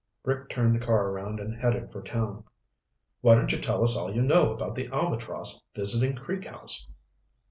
Rick turned the car around and headed for town. "Why don't you tell us all you know about the Albatross visiting Creek House?"